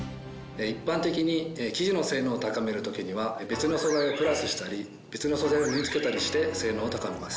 一般的に生地の性能を高める時には別の素材をプラスしたり別の素材を縫い付けたりして性能を高めます。